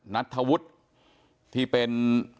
นัทธวุฒิที่เป็น